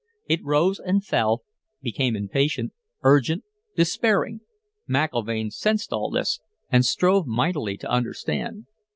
It rose and fell, became impatient, urgent, despairing McIlvaine sensed all this and strove mightily to understand.